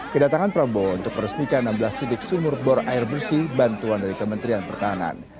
kedatangan prabowo untuk meresmikan enam belas titik sumur bor air bersih bantuan dari kementerian pertahanan